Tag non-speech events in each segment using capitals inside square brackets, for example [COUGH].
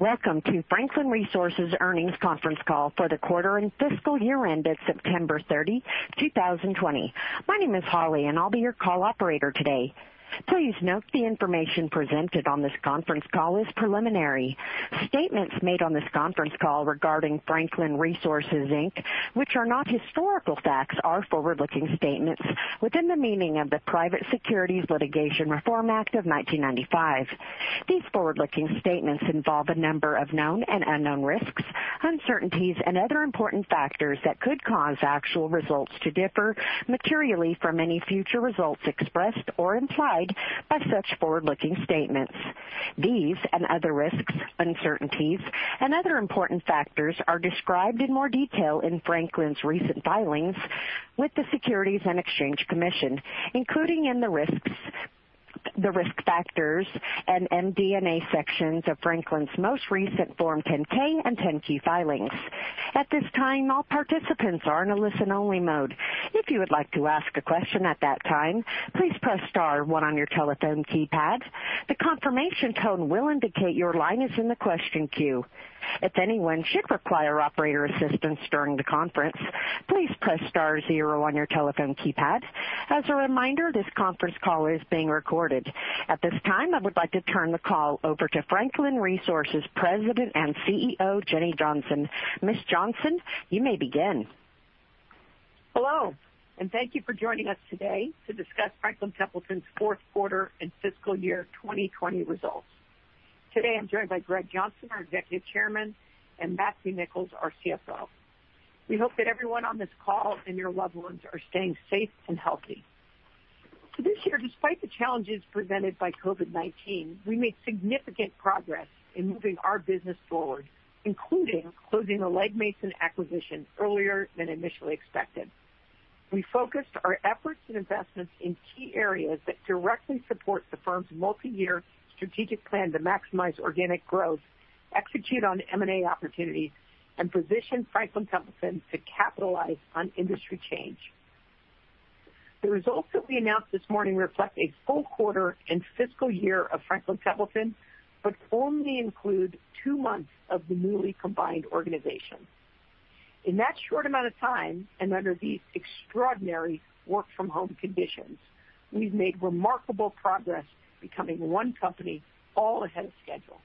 Welcome to Franklin Resources' Earnings Conference Call for the Quarter and Fiscal Year ended September 30, 2020. My name is Holly, and I'll be your call operator today. Please note the information presented on this conference call is preliminary. Statements made on this conference call regarding Franklin Resources, Inc., which are not historical facts, are forward-looking statements within the meaning of the Private Securities Litigation Reform Act of 1995. These forward-looking statements involve a number of known and unknown risks, uncertainties, and other important factors that could cause actual results to differ materially from any future results expressed or implied by such forward-looking statements. These and other risks, uncertainties, and other important factors are described in more detail in Franklin's recent filings with the Securities and Exchange Commission, including in the risk factors and MD&A sections of Franklin's most recent Form 10-K and 10-Q filings. At this time, all participants are in a listen-only mode. If you would like to ask a question at that time, please press star one on your telephone keypad. The confirmation tone will indicate your line is in the question queue. If anyone should require operator assistance during the conference, please press star zero on your telephone keypad. As a reminder, this conference call is being recorded. At this time, I would like to turn the call over to Franklin Resources President and CEO, Jenny Johnson. Ms. Johnson, you may begin. Hello, and thank you for joining us today to discuss Franklin Templeton's fourth quarter and fiscal year 2020 results. Today, I'm joined by Greg Johnson, our Executive Chairman, and Matthew Nicholls, our CFO. We hope that everyone on this call and your loved ones are staying safe and healthy. This year, despite the challenges presented by COVID-19, we made significant progress in moving our business forward, including closing the Legg Mason acquisition earlier than initially expected. We focused our efforts and investments in key areas that directly support the firm's multi-year strategic plan to maximize organic growth, execute on M&A opportunities, and position Franklin Templeton to capitalize on industry change. The results that we announced this morning reflect a full quarter and fiscal year of Franklin Templeton, but only include two months of the newly combined organization. In that short amount of time and under these extraordinary work-from-home conditions, we've made remarkable progress, becoming one company all ahead of schedule,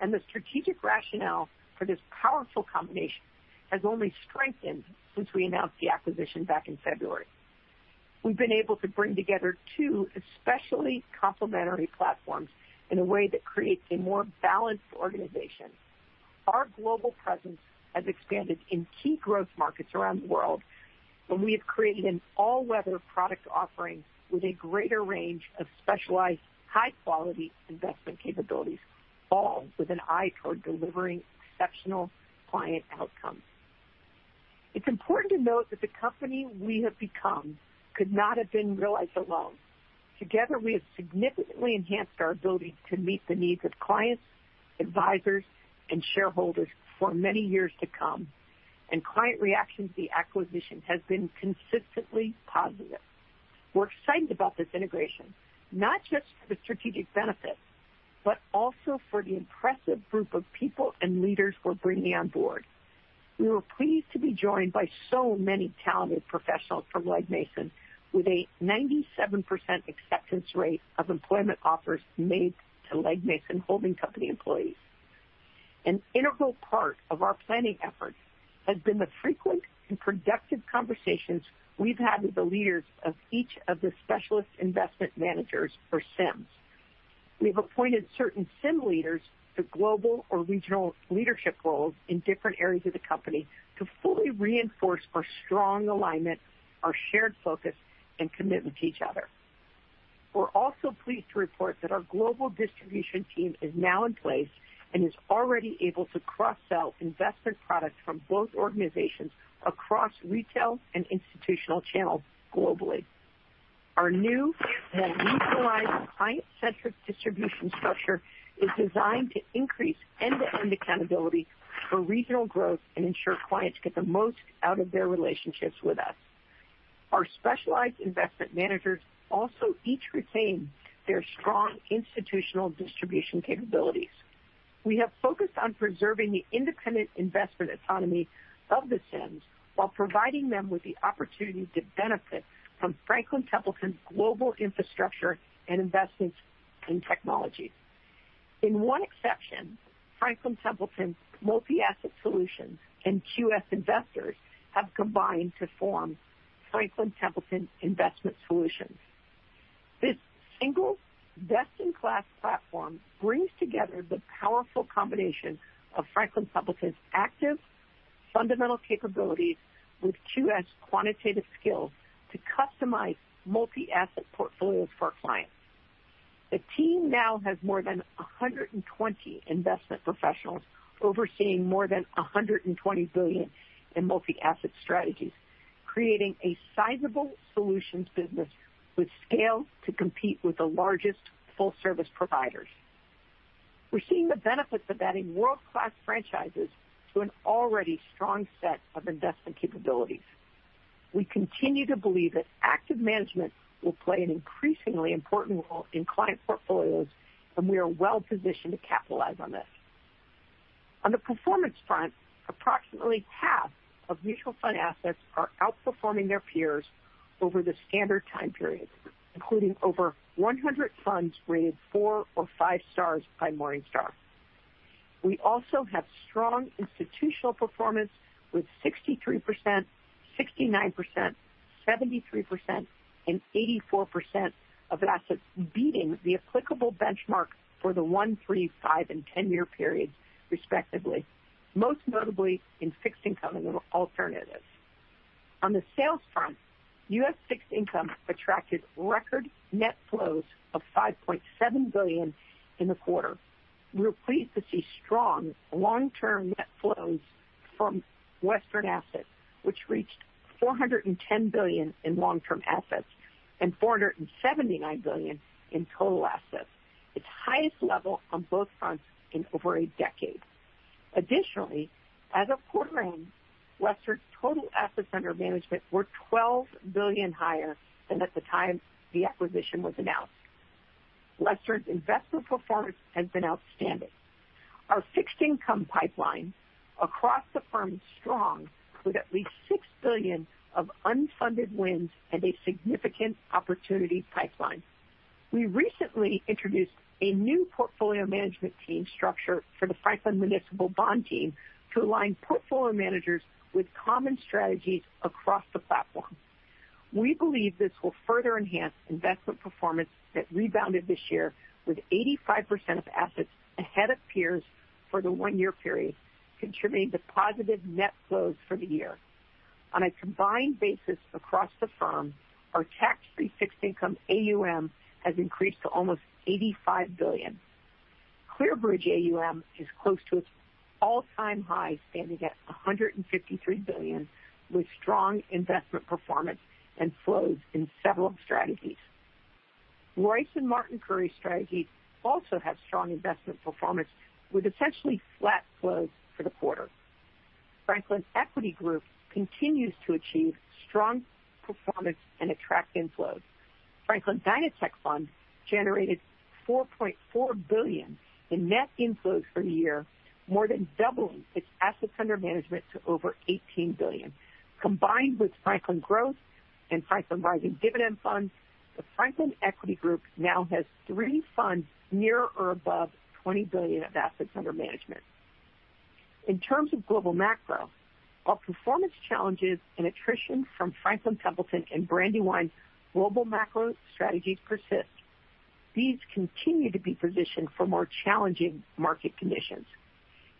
and the strategic rationale for this powerful combination has only strengthened since we announced the acquisition back in February. We've been able to bring together two especially complementary platforms in a way that creates a more balanced organization. Our global presence has expanded in key growth markets around the world, and we have created an all-weather product offering with a greater range of specialized, high-quality investment capabilities, all with an eye toward delivering exceptional client outcomes. It's important to note that the company we have become could not have been realized alone. Together, we have significantly enhanced our ability to meet the needs of clients, advisors, and shareholders for many years to come, and client reaction to the acquisition has been consistently positive. We're excited about this integration, not just for the strategic benefit, but also for the impressive group of people and leaders we're bringing on board. We were pleased to be joined by so many talented professionals from Legg Mason, with a 97% acceptance rate of employment offers made to Legg Mason holding company employees. An integral part of our planning efforts has been the frequent and productive conversations we've had with the leaders of each of the Specialist Investment Managers, or SIMs. We've appointed certain SIM leaders to global or regional leadership roles in different areas of the company to fully reinforce our strong alignment, our shared focus, and commitment to each other. We're also pleased to report that our global distribution team is now in place and is already able to cross-sell investment products from both organizations across retail and institutional channels globally. Our new, more regionalized client-centric distribution structure is designed to increase end-to-end accountability for regional growth and ensure clients get the most out of their relationships with us. Our Specialist Investment Managers also each retain their strong institutional distribution capabilities. We have focused on preserving the independent investment autonomy of the SIMs while providing them with the opportunity to benefit from Franklin Templeton's global infrastructure and investments in technology. In one exception, Franklin Templeton's Multi-Asset Solutions and QS Investors have combined to form Franklin Templeton Investment Solutions. This single, best-in-class platform brings together the powerful combination of Franklin Templeton's active, fundamental capabilities with QS quantitative skills to customize multi-asset portfolios for our clients. The team now has more than 120 investment professionals overseeing more than $120 billion in multi-asset strategies, creating a sizable solutions business with scale to compete with the largest full-service providers. We're seeing the benefits of adding world-class franchises to an already strong set of investment capabilities. We continue to believe that active management will play an increasingly important role in client portfolios, and we are well-positioned to capitalize on this. On the performance front, approximately half of mutual fund assets are outperforming their peers over the standard time period, including over 100 funds rated four or five stars by Morningstar. We also have strong institutional performance with 63%, 69%, 73%, and 84% of assets beating the applicable benchmark for the one, three, five, and 10-year periods, respectively, most notably in fixed income and alternatives. On the sales front, U.S. Fixed Income attracted record net flows of $5.7 billion in the quarter. We're pleased to see strong long-term net flows from Western Asset, which reached $410 billion in long-term assets and $479 billion in total assets, its highest level on both fronts in over a decade. Additionally, as of quarter end, Western Asset's total assets under management were $12 billion higher than at the time the acquisition was announced. Western Asset's investment performance has been outstanding. Our fixed income pipeline across the firm is strong, with at least $6 billion of unfunded wins and a significant opportunity pipeline. We recently introduced a new portfolio management team structure for the Franklin Municipal Bond Team to align portfolio managers with common strategies across the platform. We believe this will further enhance investment performance that rebounded this year with 85% of assets ahead of peers for the one-year period, contributing to positive net flows for the year. On a combined basis across the firm, our tax-free fixed income AUM has increased to almost $85 billion. ClearBridge AUM is close to its all-time high, standing at $153 billion, with strong investment performance and flows in several strategies. Royce and Martin Currie strategies also have strong investment performance with essentially flat flows for the quarter. Franklin Equity Group continues to achieve strong performance and attract inflows. Franklin DynaTech Fund generated $4.4 billion in net inflows for the year, more than doubling its assets under management to over $18 billion. Combined with Franklin Growth and Franklin Rising Dividend Fund, the Franklin Equity Group now has three funds near or above $20 billion of assets under management. In terms of global macro, while performance challenges and attrition from Franklin Templeton and Brandywine's global macro strategies persist, these continue to be positioned for more challenging market conditions.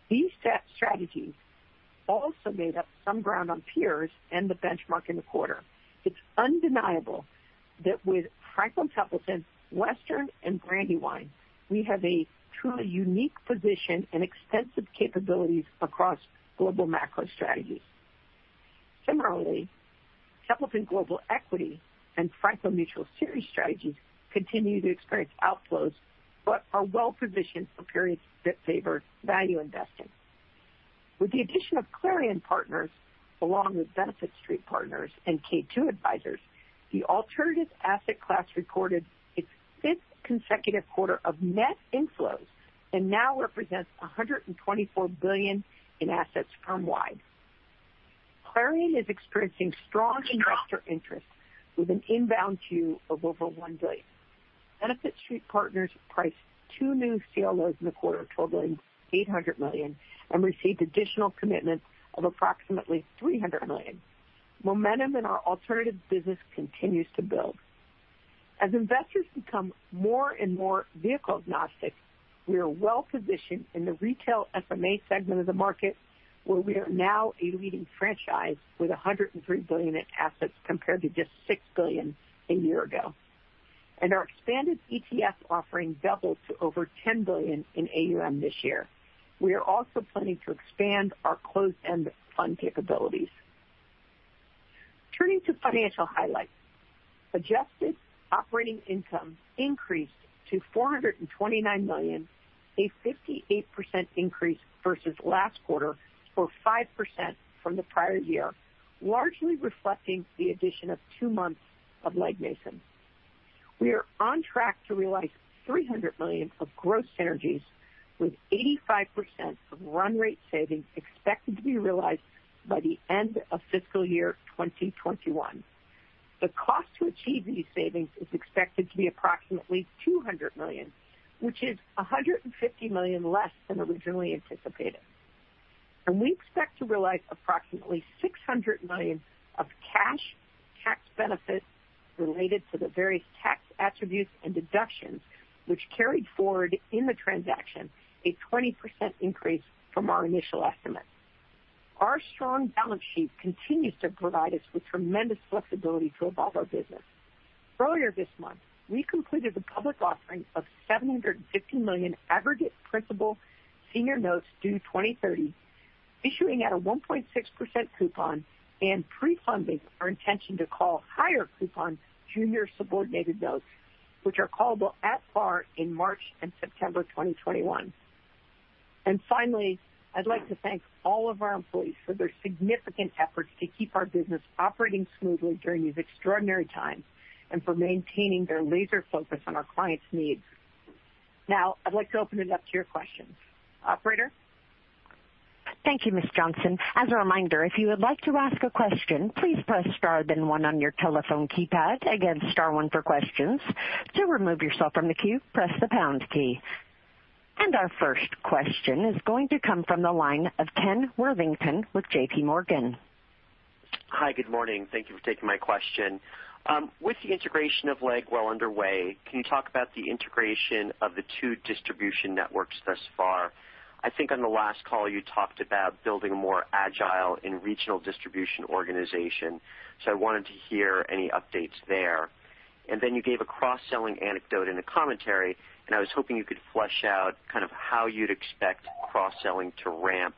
These strategies also made up some ground on peers and the benchmark in the quarter. It's undeniable that with Franklin Templeton, Western, and Brandywine, we have a truly unique position and extensive capabilities across global macro strategies. Similarly, Templeton Global Equity and Franklin Mutual Series strategies continue to experience outflows but are well-positioned for periods that favor value investing. With the addition of Clarion Partners, along with Benefit Street Partners and K2 Advisors, the alternative asset class recorded its fifth consecutive quarter of net inflows and now represents $124 billion in assets firm-wide. Clarion is experiencing strong investor interest with an inbound queue of over $1 billion. Benefit Street Partners priced two new CLOs in the quarter of $12.8 billion and received additional commitment of approximately $300 million. Momentum in our alternative business continues to build. As investors become more and more vehicle agnostic, we are well-positioned in the retail SMA segment of the market, where we are now a leading franchise with $103 billion in assets compared to just $6 billion a year ago, and our expanded ETF offering doubled to over $10 billion in AUM this year. We are also planning to expand our closed-end fund capabilities. Turning to financial highlights, adjusted operating income increased to $429 million, a 58% increase versus last quarter or 5% from the prior year, largely reflecting the addition of two months of Legg Mason. We are on track to realize $300 million of gross synergies, with 85% of run rate savings expected to be realized by the end of fiscal year 2021. The cost to achieve these savings is expected to be approximately $200 million, which is $150 million less than originally anticipated. We expect to realize approximately $600 million of cash tax benefits related to the various tax attributes and deductions, which carried forward in the transaction, a 20% increase from our initial estimate. Our strong balance sheet continues to provide us with tremendous flexibility to evolve our business. Earlier this month, we completed the public offering of $750 million aggregate principal senior notes due 2030, issuing at a 1.6% coupon and pre-funding our intention to call higher coupon junior subordinated notes, which are callable at par in March and September 2021. Finally, I'd like to thank all of our employees for their significant efforts to keep our business operating smoothly during these extraordinary times and for maintaining their laser focus on our clients' needs. Now, I'd like to open it up to your questions. Operator? Thank you, Ms. Johnson. As a reminder, if you would like to ask a question, please press star then one on your telephone keypad. Again, star one for questions. To remove yourself from the queue, press the pound key, and our first question is going to come from the line of Ken Worthington with J.P. Morgan. Hi, good morning. Thank you for taking my question. With the integration of Legg well underway, can you talk about the integration of the two distribution networks thus far? I think on the last call you talked about building a more agile and regional distribution organization, so I wanted to hear any updates there. And then you gave a cross-selling anecdote in a commentary, and I was hoping you could flesh out kind of how you'd expect cross-selling to ramp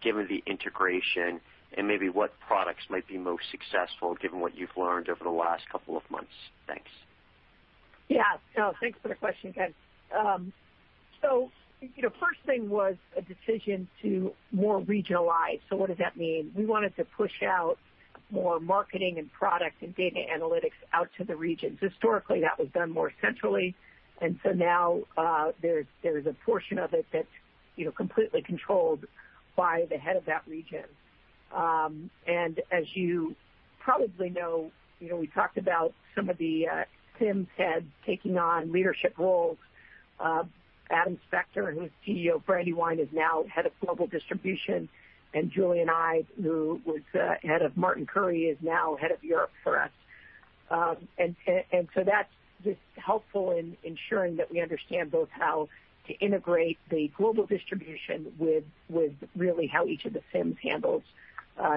given the integration and maybe what products might be most successful given what you've learned over the last couple of months. Thanks. Yeah. No, thanks for the question, Ken. So the first thing was a decision to more regionalize. So what does that mean? We wanted to push out more marketing and product and data analytics out to the regions. Historically, that was done more centrally, and so now there's a portion of it that's completely controlled by the head of that region. And as you probably know, we talked about some of the SIMs had taken on leadership roles. Adam Spector, who's CEO of Brandywine, is now head of global distribution, and Julian Ide, who was head of Martin Currie, is now head of Europe for us. That's just helpful in ensuring that we understand both how to integrate the global distribution with really how each of the SIMs handles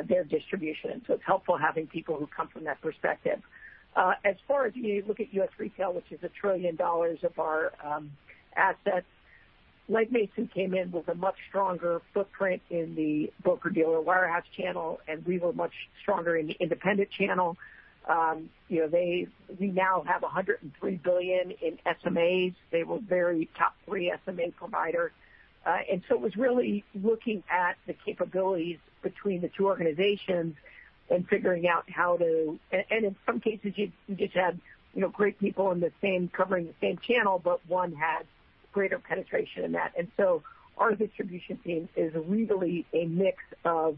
their distribution. It's helpful having people who come from that perspective. As far as you look at U.S. retail, which is $1 trillion of our assets, Legg Mason came in with a much stronger footprint in the broker-dealer wirehouse channel, and we were much stronger in the independent channel. We now have $103 billion in SMAs. They were very top-tier SMA providers. And so it was really looking at the capabilities between the two organizations and figuring out how to, and in some cases, you just had great people covering the same channel, but one had greater penetration in that. And so our distribution team is really a mix of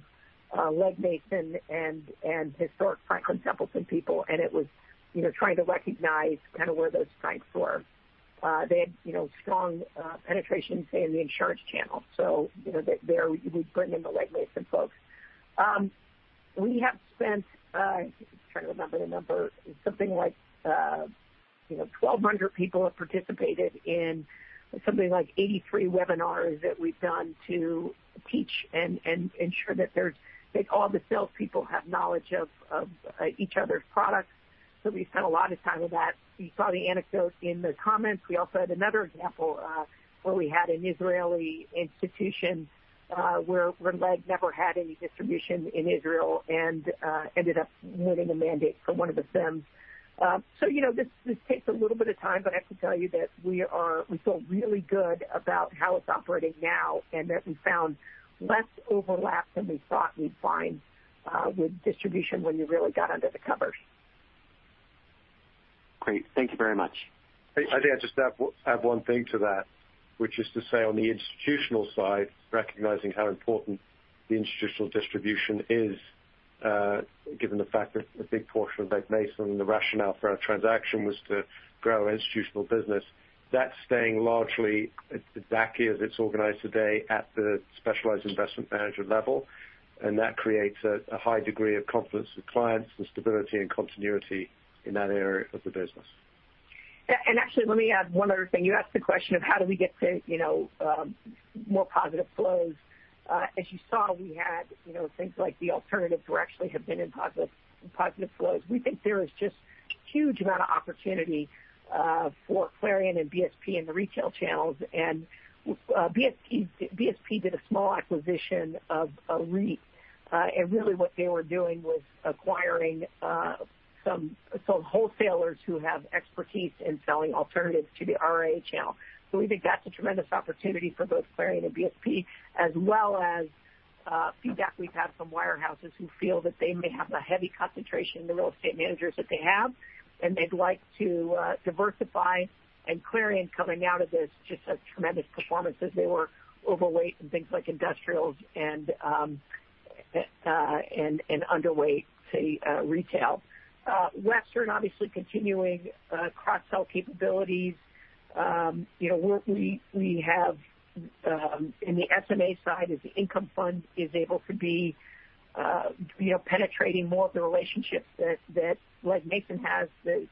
Legg Mason and historic Franklin Templeton people, and it was trying to recognize kind of where those strengths were. They had strong penetration, say, in the insurance channel, so we'd bring in the Legg Mason folks. We have spent, trying to remember the number, something like 1,200 people have participated in something like 83 webinars that we've done to teach and ensure that all the salespeople have knowledge of each other's products. So we spent a lot of time with that. You saw the anecdote in the comments. We also had another example where we had an Israeli institution where Legg never had any distribution in Israel and ended up winning a mandate for one of the SIMs, so this takes a little bit of time, but I have to tell you that we feel really good about how it's operating now and that we found less overlap than we thought we'd find with distribution when you really got under the covers. Great. Thank you very much. I think I just have one thing to that, which is to say on the institutional side, recognizing how important the institutional distribution is, given the fact that a big portion of Legg Mason and the rationale for our transaction was to grow our institutional business, that's staying largely exactly as it's organized today at the specialist investment manager level, and that creates a high degree of confidence with clients and stability and continuity in that area of the business. And actually, let me add one other thing. You asked the question of how do we get to more positive flows. As you saw, we had things like the alternatives were actually have been in positive flows. We think there is just a huge amount of opportunity for Clarion and BSP in the retail channels. And BSP did a small acquisition of REIT, and really what they were doing was acquiring some wholesalers who have expertise in selling alternatives to the RIA channel. So we think that's a tremendous opportunity for both Clarion and BSP, as well as feedback we've had from wirehouses who feel that they may have a heavy concentration in the real estate managers that they have, and they'd like to diversify. And Clarion coming out of this just had tremendous performance as they were overweight in things like industrials and underweight to retail. Western, obviously, continuing cross-sell capabilities. We have, in the SMA side, as the Income Fund is able to be penetrating more of the relationships that Legg Mason has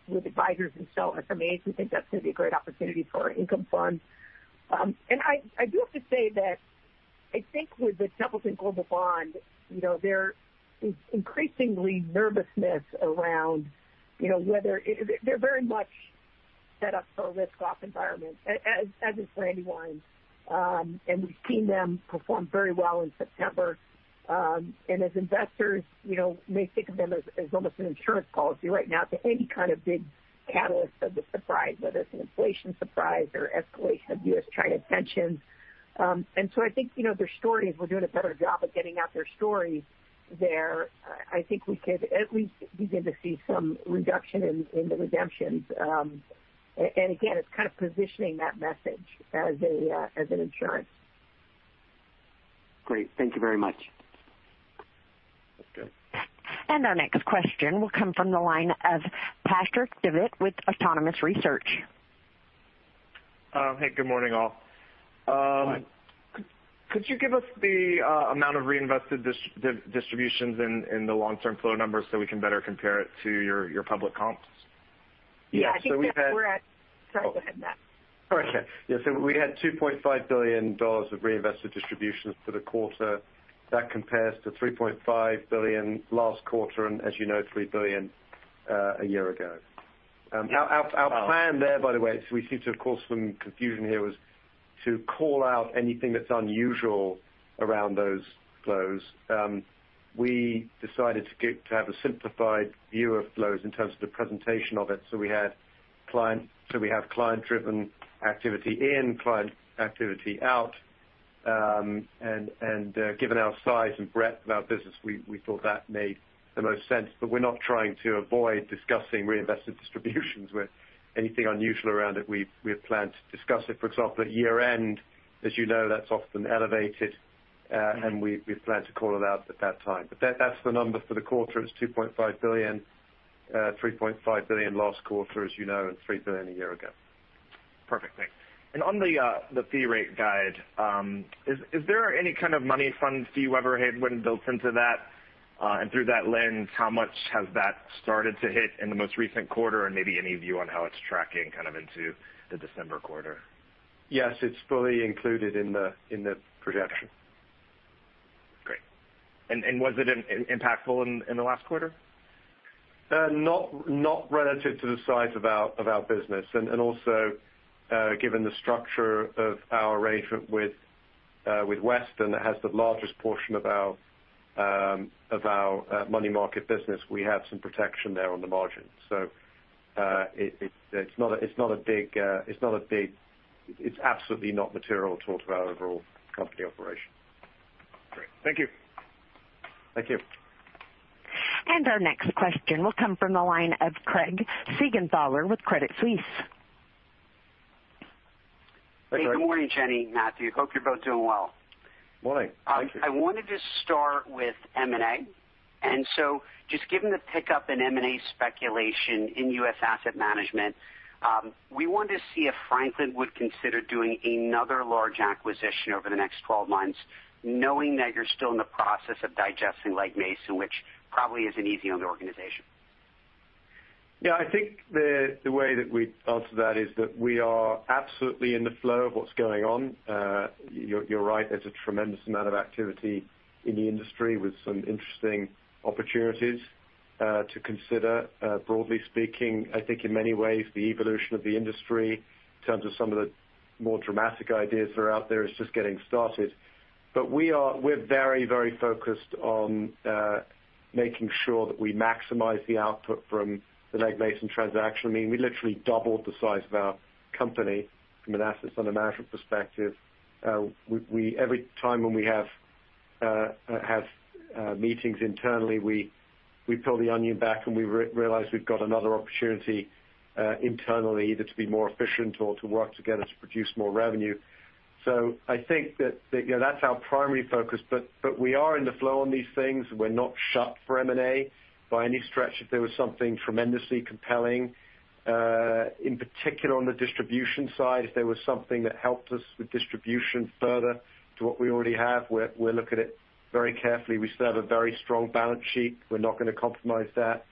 with advisors and sell SMAs, we think that's going to be a great opportunity for our Income Fund. And I do have to say that I think with the Templeton Global Bond, there is increasingly nervousness around whether they're very much set up for a risk-off environment, as is Brandywine. And we've seen them perform very well in September. And as investors, you may think of them as almost an insurance policy right now to any kind of big catalyst of the surprise, whether it's an inflation surprise or escalation of U.S.-China tensions. And so I think their story is we're doing a better job of getting out their story there. I think we could at least begin to see some reduction in the redemptions. And again, it's kind of positioning that message as an insurance. Great. Thank you very much. That's good. And our next question will come from the line of Patrick Davitt with Autonomous Research. Hey, good morning, all. Hi. Could you give us the amount of reinvested distributions and the long-term flow numbers so we can better compare it to your public comps? Yeah. So we had. Sorry, go ahead, Matt. All right, Ken. Yeah, so we had $2.5 billion of reinvested distributions for the quarter. That compares to $3.5 billion last quarter and, as you know, $3 billion a year ago. Our plan there, by the way, so we seem to have caused some confusion here, was to call out anything that's unusual around those flows. We decided to have a simplified view of flows in terms of the presentation of it. So we have client-driven activity in, client activity out. And given our size and breadth of our business, we thought that made the most sense. But we're not trying to avoid discussing reinvested distributions. With anything unusual around it, we have planned to discuss it. For example, at year-end, as you know, that's often elevated, and we've planned to call it out at that time. But that's the number for the quarter. It's $2.5 billion, $3.5 billion last quarter, as you know, and $3 billion a year ago. Perfect. Thanks. And on the fee rate guide, is there any kind of money fund fee waiver that were built into that? And through that lens, how much has that started to hit in the most recent quarter? And maybe any view on how it's tracking kind of into the December quarter? Yes, it's fully included in the projection. Great. And was it impactful in the last quarter? Not relative to the size of our business. And also, given the structure of our arrangement with Western, that has the largest portion of our money market business, we have some protection there on the margin. So it's absolutely not material to our overall company operation. Great. Thank you. Thank you. And our next question will come from the line of Craig Siegenthaler with Credit Suisse. Hey, good morning, Jenny and Matthew. Hope you're both doing well. Morning. Thank you. I wanted to start with M&A. And so just given the pickup in M&A speculation in U.S. asset management, we want to see if Franklin would consider doing another large acquisition over the next 12 months, knowing that you're still in the process of digesting Legg Mason, which probably isn't easy on the organization. Yeah, I think the way that we answer that is that we are absolutely in the flow of what's going on. You're right. There's a tremendous amount of activity in the industry with some interesting opportunities to consider. Broadly speaking, I think in many ways, the evolution of the industry in terms of some of the more dramatic ideas that are out there is just getting started. But we're very, very focused on making sure that we maximize the output from the Legg Mason transaction. I mean, we literally doubled the size of our company from an assets under management perspective. Every time when we have meetings internally, we pull the onion back and we realize we've got another opportunity internally either to be more efficient or to work together to produce more revenue. So I think that that's our primary focus. But we are in the flow on these things. We're not shut for M&A by any stretch. If there was something tremendously compelling, in particular on the distribution side, if there was something that helped us with distribution further to what we already have, we'll look at it very carefully. We still have a very strong balance sheet. We're not going to compromise that.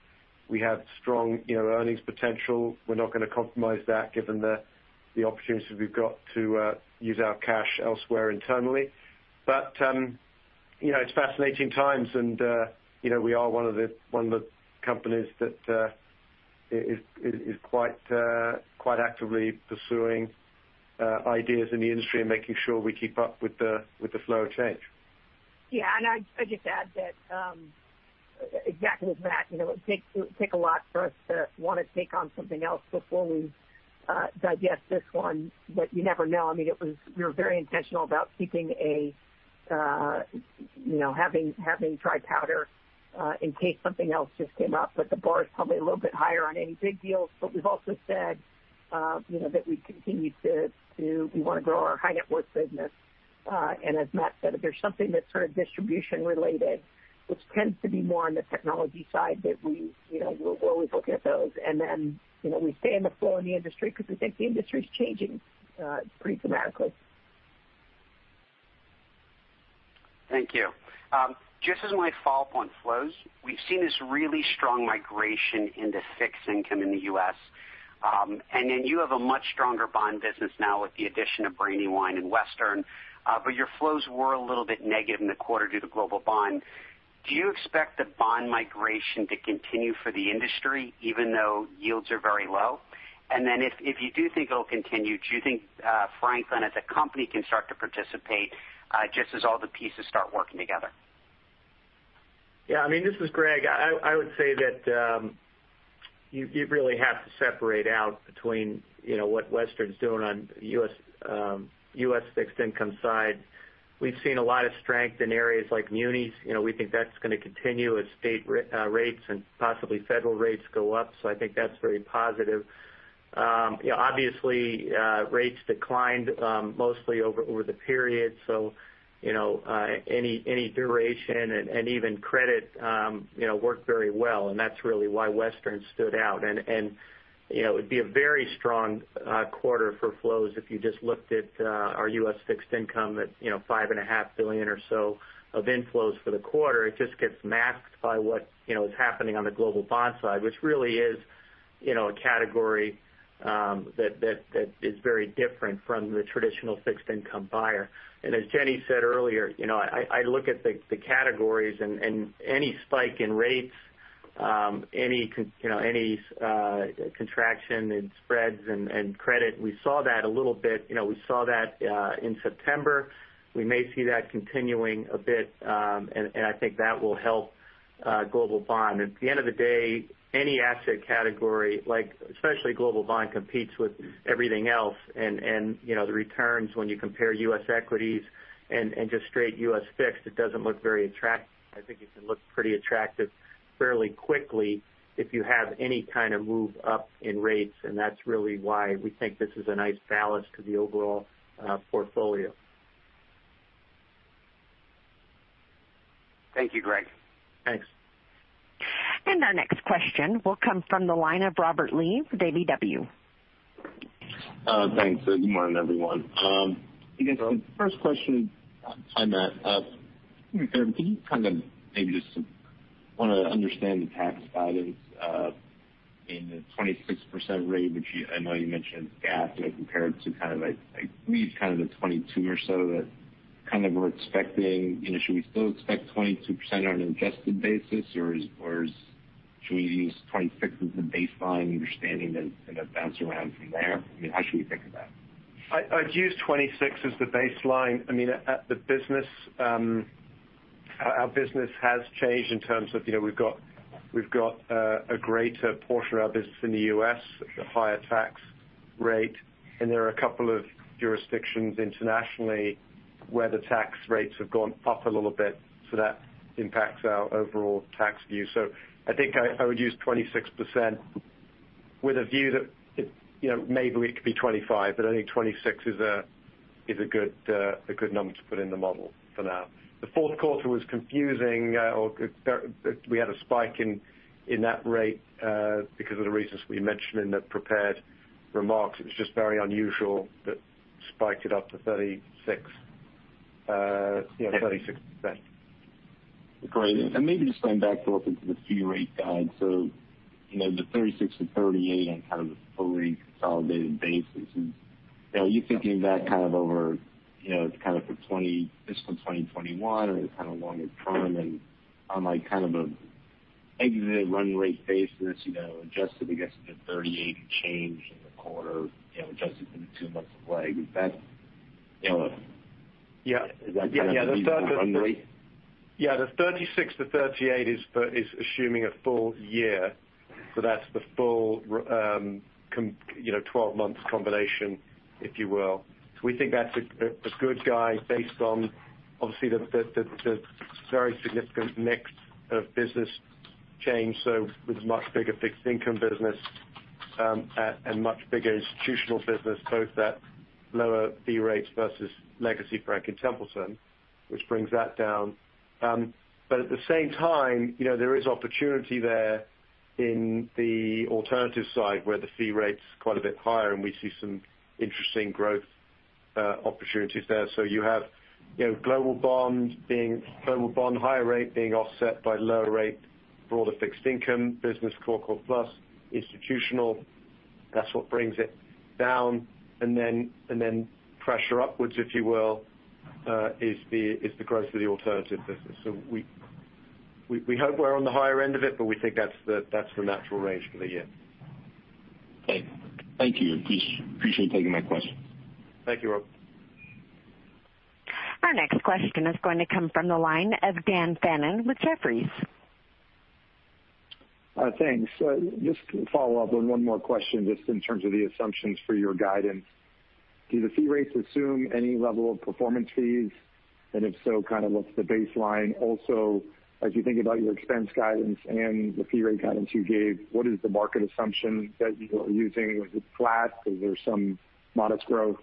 We have strong earnings potential. We're not going to compromise that given the opportunities we've got to use our cash elsewhere internally, but it's fascinating times, and we are one of the companies that is quite actively pursuing ideas in the industry and making sure we keep up with the flow of change. Yeah, and I just add that, exactly as Matt, it would take a lot for us to want to take on something else before we digest this one, but you never know. I mean, we were very intentional about keeping, having dry powder in case something else just came up. But the bar is probably a little bit higher on any big deals. But we've also said that we continue to, we want to grow our high-net-worth business. And as Matt said, if there's something that's sort of distribution-related, which tends to be more on the technology side, that we're always looking at those. And then we stay in the flow in the industry because we think the industry is changing pretty dramatically. Thank you. Just as my follow-up on flows, we've seen this really strong migration into fixed income in the U.S. And then you have a much stronger bond business now with the addition of Brandywine and Western. But your flows were a little bit negative in the quarter due to Global Bond. Do you expect the bond migration to continue for the industry even though yields are very low? And then if you do think it'll continue, do you think Franklin, as a company, can start to participate just as all the pieces start working together? Yeah. I mean, this is Greg. I would say that you really have to separate out between what Western is doing on the U.S. fixed income side. We've seen a lot of strength in areas like munis. We think that's going to continue as state rates and possibly federal rates go up. So I think that's very positive. Obviously, rates declined mostly over the period. So any duration and even credit worked very well. And that's really why Western stood out. And it would be a very strong quarter for flows if you just looked at our U.S. Fixed Income at $5.5 billion or so of inflows for the quarter. It just gets masked by what is happening on the Global Bond side, which really is a category that is very different from the traditional fixed income buyer, and as Jenny said earlier, I look at the categories and any spike in rates, any contraction in spreads and credit. We saw that a little bit. We saw that in September. We may see that continuing a bit, and I think that will help Global Bond. At the end of the day, any asset category, especially Global Bond, competes with everything else, and the returns, when you compare U.S. equities and just straight U.S. fixed, it doesn't look very attractive. I think it can look pretty attractive fairly quickly if you have any kind of move up in rates. That's really why we think this is a nice balance to the overall portfolio. Thank you, Greg. Thanks. Our next question will come from the line of Robert Lee for KBW. Thanks. Good morning, everyone. First question, hi, Matt. Can you kind of maybe just walk us through the tax guidance at the 26% rate, which I know you mentioned as compared to kind of I believe kind of the 22% or so that kind of we're expecting. Should we still expect 22% on an adjusted basis, or should we use 26% as the baseline understanding and then bounce around from there? I mean, how should we think of that? I'd use 26% as the baseline. I mean, our business has changed in terms of we've got a greater portion of our business in the U.S. with a higher tax rate. And there are a couple of jurisdictions internationally where the tax rates have gone up a little bit. So that impacts our overall tax view. So I think I would use 26% with a view that maybe it could be 25%. But I think 26% is a good number to put in the model for now. The fourth quarter was confusing. We had a spike in that rate because of the reasons we mentioned in the prepared remarks. It was just very unusual that it spiked it up to 36%. Great. And maybe just going back to looking at the fee rate guide. So the 36% and 38% on kind of the fully consolidated basis, are you thinking of that kind of over kind of for just from 2021 or kind of longer term? On kind of an exit run rate basis, adjusted against the 38% and change in the quarter, adjusted for the two months of Legg, is that—yeah, is that kind of the feasible run rate? Yeah. The 36%-38% is assuming a full year. That's the full 12-month combination, if you will. We think that's a good guide based on, obviously, the very significant mix of business change. With a much bigger fixed income business and much bigger institutional business, both that lower fee rate versus legacy Franklin Templeton, which brings that down. But at the same time, there is opportunity there in the alternative side where the fee rate's quite a bit higher, and we see some interesting growth opportunities there. You have Global Bond higher rate being offset by lower rate broader fixed income business, corporate plus institutional. That's what brings it down. And then pressure upwards, if you will, is the growth of the alternative business. So we hope we're on the higher end of it, but we think that's the natural range for the year. Thank you. Appreciate taking my question. Thank you, Rob. Our next question is going to come from the line of Dan Fannon with Jefferies. Thanks. Just to follow up on one more question, just in terms of the assumptions for your guidance. Do the fee rates assume any level of performance fees? And if so, kind of what's the baseline? Also, as you think about your expense guidance and the fee rate guidance you gave, what is the market assumption that you are using? Is it flat? Is there some modest growth?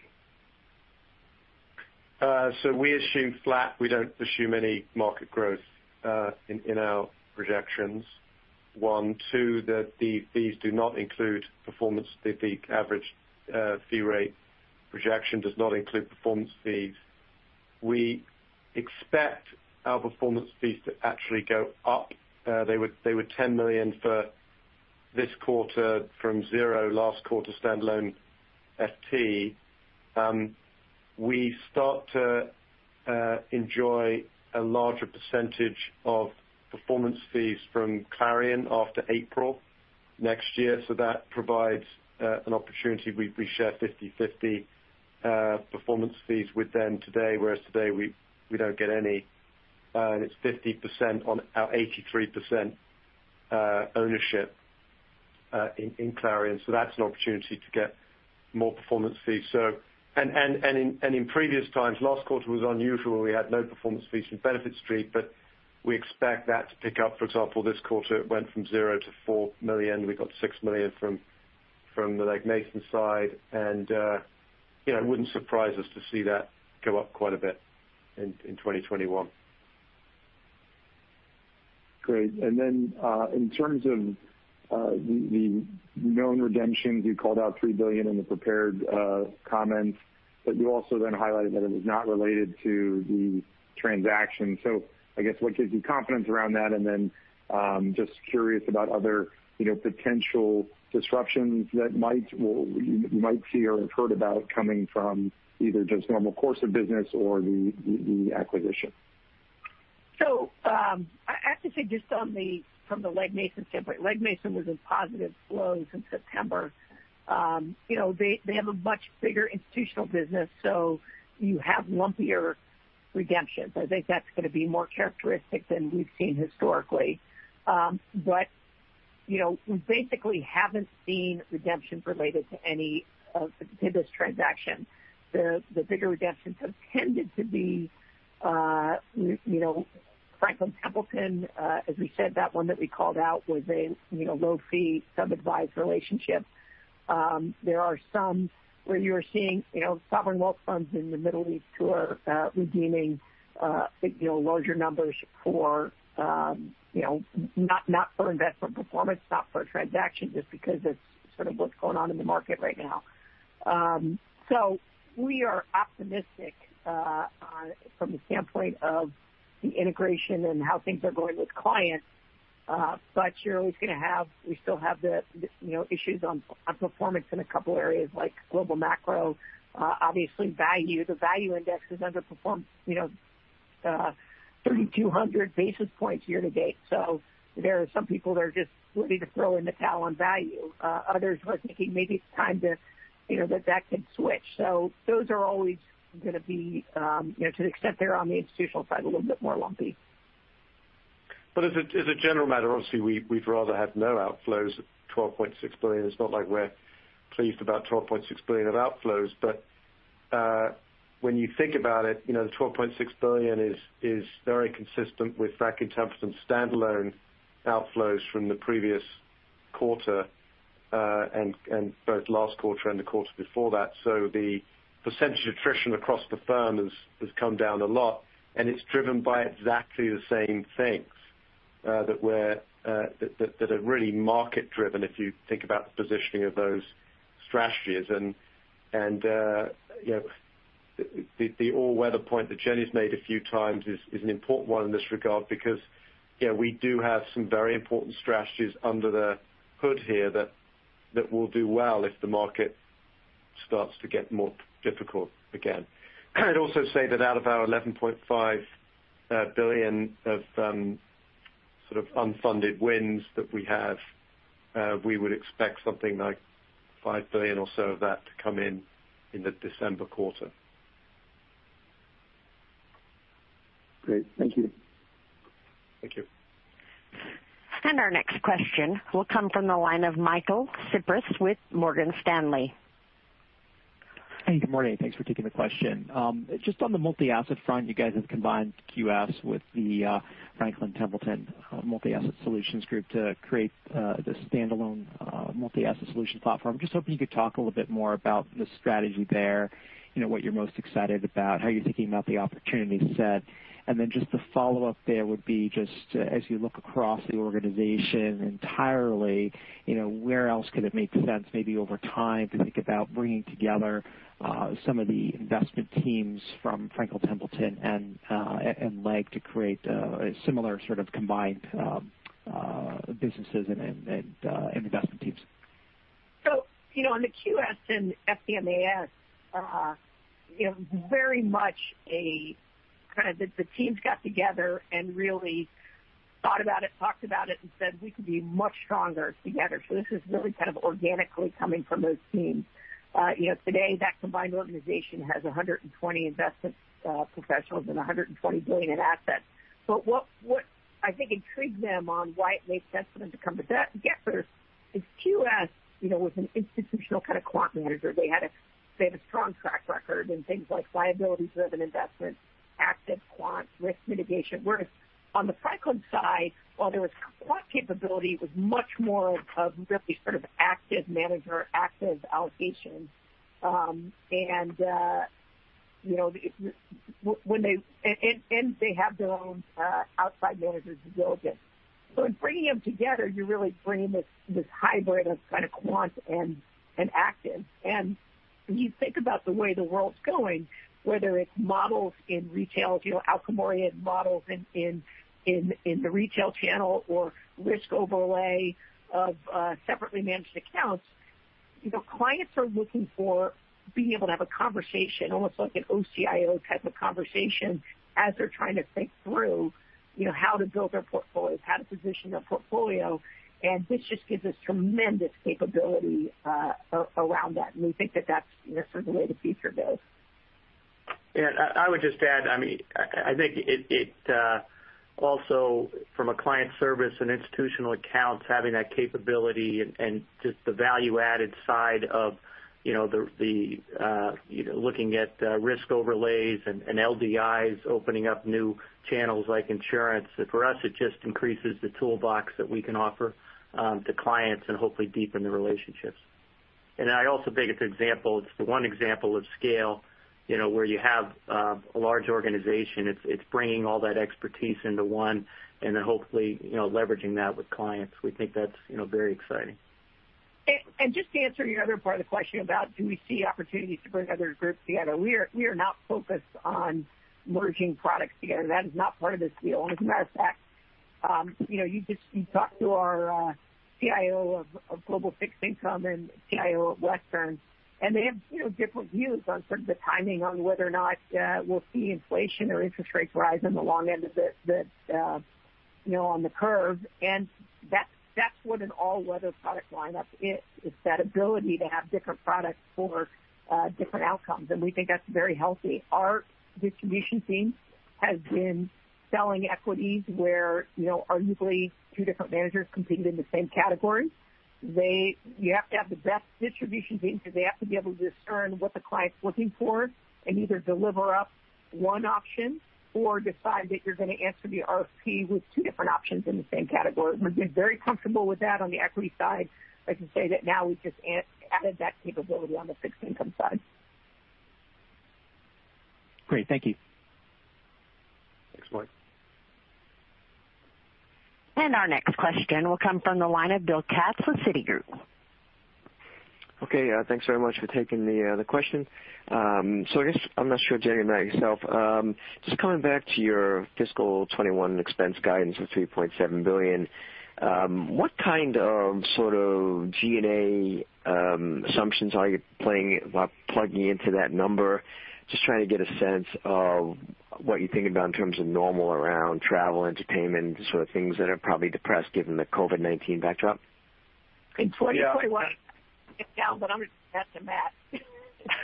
So we assume flat. We don't assume any market growth in our projections. One, two, that the fees do not include performance. The average fee rate projection does not include performance fees. We expect our performance fees to actually go up. They were $10 million for this quarter from zero last quarter standalone FT. We start to enjoy a larger percentage of performance fees from Clarion after April next year, so that provides an opportunity. We share 50/50 performance fees with them today, whereas today we don't get any, and it's 50% on our 83% ownership in Clarion, so that's an opportunity to get more performance fees. And in previous times, last quarter was unusual. We had no performance fees from Benefit Street, but we expect that to pick up. For example, this quarter, it went from zero to $4 million. We got $6 million from the Legg Mason side, and it wouldn't surprise us to see that go up quite a bit in 2021. Great. And then in terms of the known redemptions, you called out $3 billion in the prepared comment. But you also then highlighted that it was not related to the transaction. So I guess what gives you confidence around that? And then just curious about other potential disruptions that you might see or have heard about coming from either just normal course of business or the acquisition. So I have to say just from the Legg Mason standpoint, Legg Mason was in positive flows in September. They have a much bigger institutional business. So you have lumpier redemptions. I think that's going to be more characteristic than we've seen historically. But we basically haven't seen redemptions related to any of this transaction. The bigger redemptions have tended to be Franklin Templeton. As we said, that one that we called out was a low-fee, sub-advised relationship. There are some where you're seeing sovereign wealth funds in the Middle East who are redeeming larger numbers not for investment performance, not for transaction, just because it's sort of what's going on in the market right now. So we are optimistic from the standpoint of the integration and how things are going with clients. But you're always going to have. We still have the issues on performance in a couple of areas like global macro. Obviously, value. The value index has underperformed 3,200 basis points year-to-date. So there are some people that are just ready to throw in the towel on value. Others are thinking maybe it's time that can switch. So those are always going to be, to the extent they're on the institutional side, a little bit more lumpy. But as a general matter, obviously, we've rather had no outflows, $12.6 billion. It's not like we're pleased about $12.6 billion of outflows. But when you think about it, the $12.6 billion is very consistent with Franklin Templeton standalone outflows from the previous quarter and both last quarter and the quarter before that. So the percentage attrition across the firm has come down a lot. And it's driven by exactly the same things that are really market-driven if you think about the positioning of those strategies. And the all-weather point that Jenny's made a few times is an important one in this regard because we do have some very important strategies under the hood here that will do well if the market starts to get more difficult again. I'd also say that out of our $11.5 billion of sort of unfunded wins that we have, we would expect something like $5 billion or so of that to come in in the December quarter. Great. Thank you. Thank you. And our next question will come from the line of Michael Cyprys with Morgan Stanley. Hey. Good morning. Thanks for taking the question. Just on the multi-asset front, you guys have combined QS with the Franklin Templeton Multi-Asset Solutions Group to create the standalone multi-asset solution platform. Just hoping you could talk a little bit more about the strategy there, what you're most excited about, how you're thinking about the opportunity set. And then just the follow-up there would be just as you look across the organization entirely, where else could it make sense maybe over time to think about bringing together some of the investment teams from Franklin Templeton and Legg to create a similar sort of combined businesses and investment teams? So on the QS and FTMAS, very much kind of the teams got together and really thought about it, talked about it, and said, "We could be much stronger together." So this is really kind of organically coming from those teams. Today, that combined organization has 120 investment professionals and $120 billion in assets. But what I think intrigued them on why it made sense for them to come together is QS was an institutional kind of quant manager. They had a strong track record in things like liability-driven investment, active quants, risk mitigation. Whereas on the Franklin side, while there was quant capability, it was much more of really sort of active manager, active allocation. And they have their own outside managers' due diligence. So in bringing them together, you're really bringing this hybrid of kind of quant and active. And when you think about the way the world's going, whether it's models in retail, algorithmic models in the retail channel, or risk overlay of separately managed accounts, clients are looking for being able to have a conversation, almost like an OCIO type of conversation as they're trying to think through how to build their portfolio, how to position their portfolio. And this just gives us tremendous capability around that. And we think that that's certainly where the future goes. Yeah. I would just add, I mean, I think it also, from a client service and institutional accounts, having that capability and just the value-added side of looking at risk overlays and LDIs opening up new channels like insurance. For us, it just increases the toolbox that we can offer to clients and hopefully deepen the relationships. And I also think it's an example. It's the one example of scale where you have a large organization. It's bringing all that expertise into one and then hopefully leveraging that with clients. We think that's very exciting. And just to answer your other part of the question about do we see opportunities to bring other groups together, we are not focused on merging products together. That is not part of this deal. And as a matter of fact, you talked to our CIO of global fixed income and CIO of Western Asset. And they have different views on sort of the timing on whether or not we'll see inflation or interest rates rise on the long end of the curve. And that's what an all-weather product lineup is. It's that ability to have different products for different outcomes. And we think that's very healthy. Our distribution team has been selling equities where arguably two different managers competed in the same category. You have to have the best distribution team because they have to be able to discern what the client's looking for and either deliver up one option or decide that you're going to answer the RFP with two different options in the same category. We've been very comfortable with that on the equity side. I can say that now we've just added that capability on the fixed income side. Great. Thank you. Thanks, Mike. And our next question will come from the line of Bill Katz with Citigroup. Okay. Thanks very much for taking the question. So I guess I'm not sure, Jenny, about yourself. Just coming back to your fiscal 2021 expense guidance for $3.7 billion, what kind of sort of G&A assumptions are you plugging into that number? Just trying to get a sense of what you think about in terms of normal around travel, entertainment, sort of things that are probably depressed given the COVID-19 backdrop. In 2021, it's down, but I'm going to ask Matt,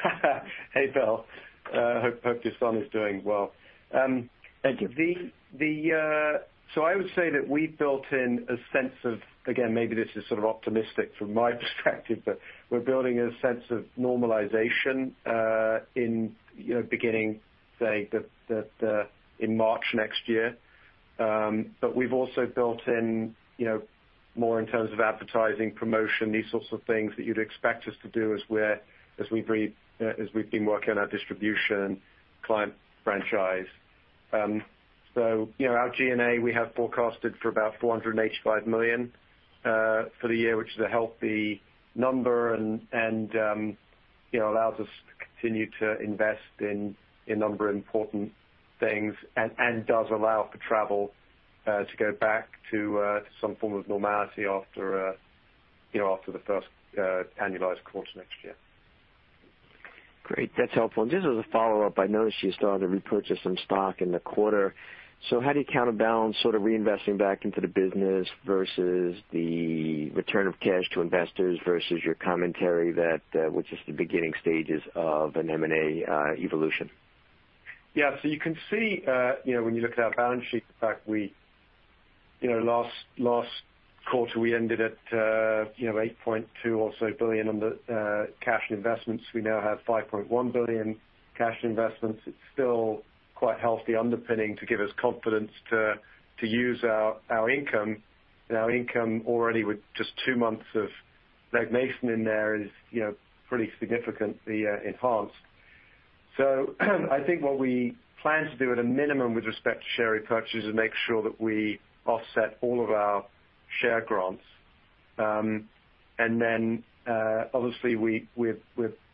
Matt. Hey, Bill. I hope your son is doing well. Thank you. So I would say that we've built in a sense of, again, maybe this is sort of optimistic from my perspective, but we're building a sense of normalization in beginning, say, in March next year. But we've also built in more in terms of advertising, promotion, these sorts of things that you'd expect us to do as we've been working on our distribution client franchise. So our G&A, we have forecasted for about $485 million for the year, which is a healthy number and allows us to continue to invest in a number of important things and does allow for travel to go back to some form of normality after the first annualized quarter next year. Great. That's helpful. And just as a follow-up, I noticed you started to repurchase some stock in the quarter. So how do you counterbalance sort of reinvesting back into the business versus the return of cash to investors versus your commentary that we're just at the beginning stages of an M&A evolution? Yeah. So you can see when you look at our balance sheet, in fact, last quarter, we ended at $8.2 billion or so on the cash investments. We now have $5.1 billion cash investments. It's still quite healthy underpinning to give us confidence to use our income. Our income already with just two months of Legg Mason in there is pretty significantly enhanced. So I think what we plan to do at a minimum with respect to share repurchase is make sure that we offset all of our share grants. And then obviously, we're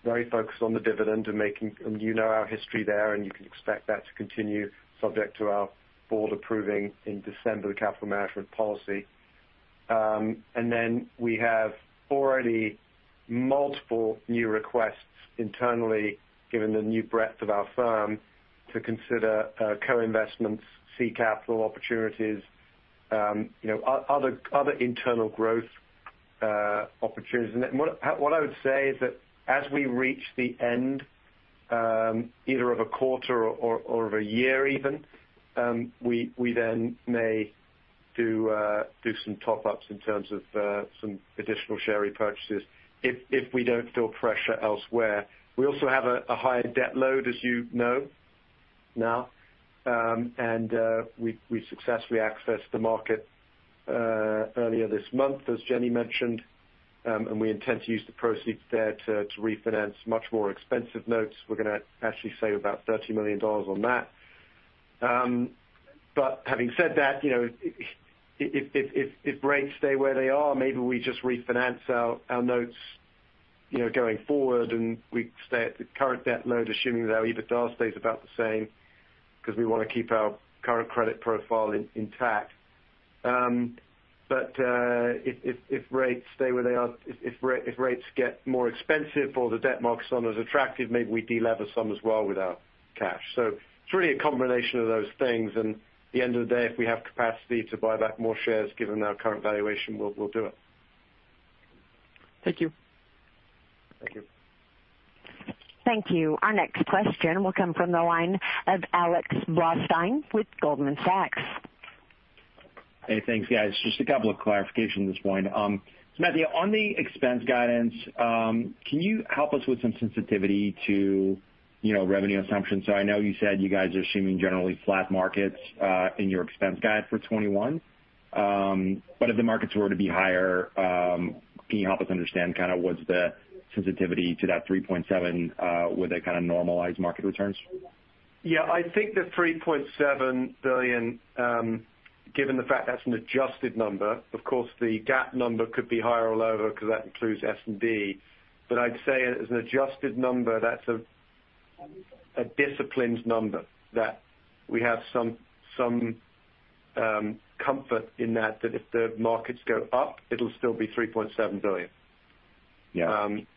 very focused on the dividend and making, you know, our history there. And you can expect that to continue subject to our board approving in December the capital management policy. And then we have already multiple new requests internally given the new breadth of our firm to consider co-investments, seed capital opportunities, other internal growth opportunities. And what I would say is that as we reach the end either of a quarter or of a year even, we then may do some top-ups in terms of some additional share repurchases if we don't feel pressure elsewhere. We also have a higher debt load, as you know now. And we successfully accessed the market earlier this month, as Jenny mentioned. And we intend to use the proceeds there to refinance much more expensive notes. We're going to actually save about $30 million on that. But having said that, if rates stay where they are, maybe we just refinance our notes going forward. And we stay at the current debt load, assuming that our EBITDA stays about the same because we want to keep our current credit profile intact. But if rates stay where they are, if rates get more expensive or the debt market's not as attractive, maybe we delever some as well with our cash. So it's really a combination of those things. And at the end of the day, if we have capacity to buy back more shares given our current valuation, we'll do it. Thank you. Thank you. Thank you. Our next question will come from the line of Alex Blostein with Goldman Sachs. Hey. Thanks, guys. Just a couple of clarifications at this point. So Matthew, on the expense guidance, can you help us with some sensitivity to revenue assumptions? So I know you said you guys are assuming generally flat markets in your expense guide for 2021. But if the markets were to be higher, can you help us understand kind of what's the sensitivity to that $3.7 with the kind of normalized market returns? Yeah. I think the $3.7 billion, given the fact that's an adjusted number, of course, the GAAP number could be higher all over because that includes SBC. But I'd say as an adjusted number, that's a disciplined number that we have some comfort in that that if the markets go up, it'll still be $3.7 billion.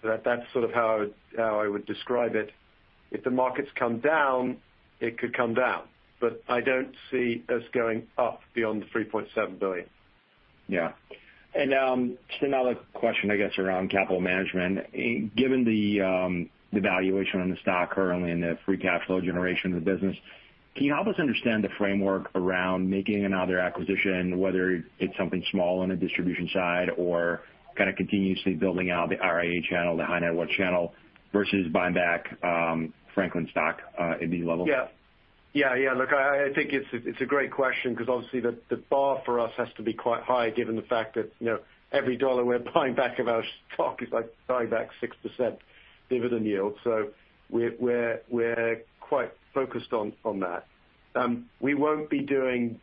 That's sort of how I would describe it. If the markets come down, it could come down. But I don't see us going up beyond the $3.7 billion. Yeah. And just another question, I guess, around capital management. Given the valuation on the stock currently and the free cash flow generation of the business, can you help us understand the framework around making another acquisition, whether it's something small on the distribution side or kind of continuously building out the RIA channel, the high-net-worth channel versus buying back Franklin stock at these levels? Yeah. Yeah. Yeah. Look, I think it's a great question because obviously, the bar for us has to be quite high given the fact that every dollar we're buying back of our stock is like buying back 6% dividend yield. So we're quite focused on that. We won't be doing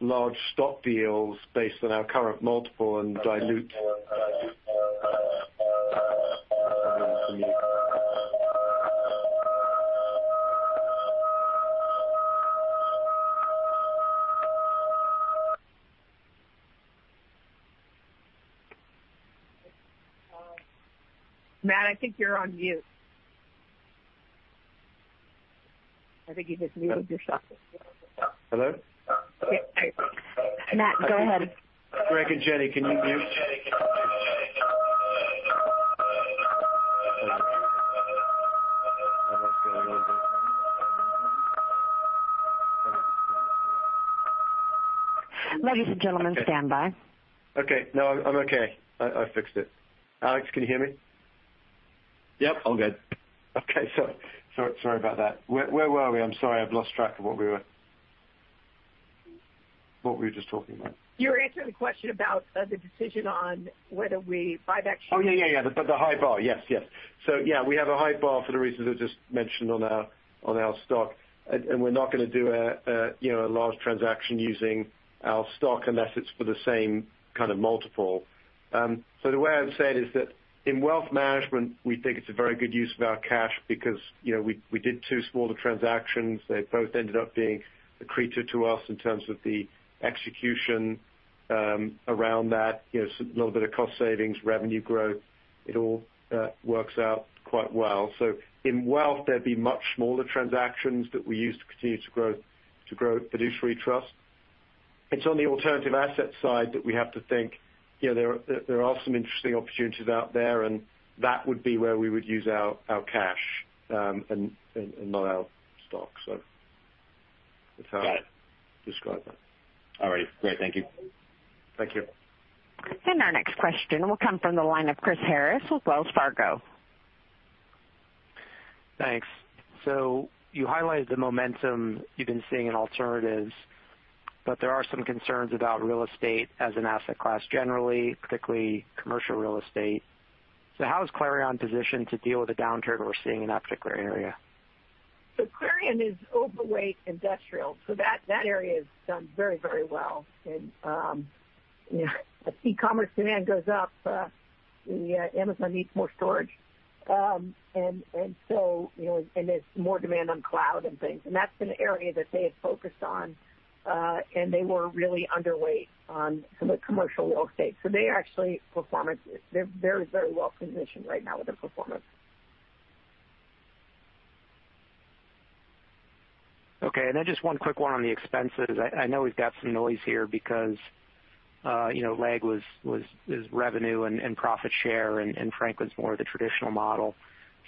large stock deals based on our current multiple and dilution. [AUDIO DISTORTION] Matt, I think you're on mute. I think you just muted yourself. Hello? Matt, go ahead. Greg and Jenny, can you please? [AUDIO DISTORTION] Ladies and gentlemen, stand by. Okay. No, I'm okay. I fixed it. Alex, can you hear me? Yep. All good. Okay. Sorry about that. Where were we? I'm sorry. I've lost track of what we were just talking about. You were answering the question about the decision on whether we buy back shares. Oh, yeah, yeah, yeah. The high bar. Yes, yes. So yeah, we have a high bar for the reasons I just mentioned on our stock, and we're not going to do a large transaction using our stock unless it's for the same kind of multiple. So the way I'd say it is that in wealth management, we think it's a very good use of our cash because we did two smaller transactions. They both ended up being accretive to us in terms of the execution around that, a little bit of cost savings, revenue growth. It all works out quite well. In wealth, there'd be much smaller transactions that we use to continue to grow Fiduciary Trust. It's on the alternative asset side that we have to think there are some interesting opportunities out there. And that would be where we would use our cash and not our stock. So that's how I'd describe that. All right. Great. Thank you. Thank you. And our next question will come from the line of Chris Harris with Wells Fargo. Thanks. So you highlighted the momentum you've been seeing in alternatives, but there are some concerns about real estate as an asset class generally, particularly commercial real estate. So how is Clarion positioned to deal with a downturn we're seeing in that particular area? So Clarion is overweight industrial. So that area has done very, very well. And as e-commerce demand goes up, Amazon needs more storage. And there's more demand on cloud and things. And that's an area that they have focused on. And they were really underweight on some of the commercial real estate. So they're actually very, very well positioned right now with their performance. Okay. And then just one quick one on the expenses. I know we've got some noise here because Legg was revenue and profit share, and Franklin's more of the traditional model.